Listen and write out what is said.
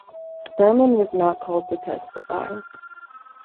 Thurman was not called to testify.